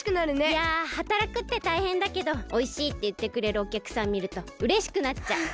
いやはたらくってたいへんだけどおいしいっていってくれるおきゃくさんみるとうれしくなっちゃう。